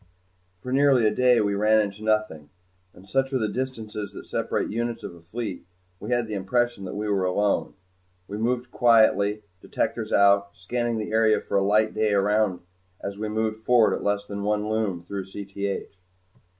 For nearly a day we ran into nothing, and such are the distances that separate units of a fleet, we had the impression that we were alone. We moved quietly, detectors out, scanning the area for a light day around as we moved forward at less than one Lume through Cth.